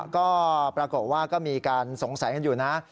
ก็ปรากฏว่าก็มีการสงสัยกันอยู่นะ